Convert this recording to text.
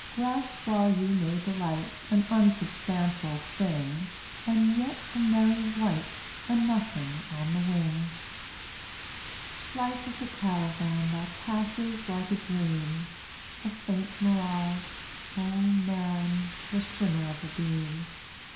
Grasp while you may Delight, An unsubstantial thing, And yet a merry wight — A Nothing on the wing. ©mar eun<$ Life is a caravan That passes like a dream, A faint mirage, O man, The shimmer of a beam.